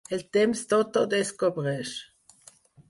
El temps tot ho descobreix.